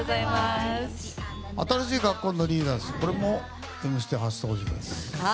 新しい学校のリーダーズも「Ｍステ」初登場です。